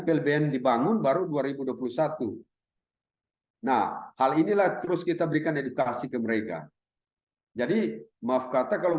plbn dibangun baru dua ribu dua puluh satu nah hal inilah terus kita berikan edukasi ke mereka jadi maaf kata kalau